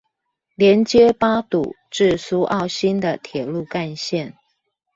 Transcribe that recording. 連接八堵至蘇澳新的鐵路幹線